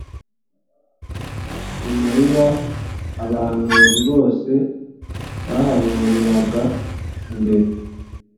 Samariya Abahanuzi bose bahanuriraga imbere